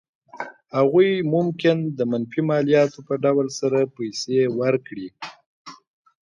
هغوی ممکن د منفي مالیاتو په ډول سره پیسې ورکړي.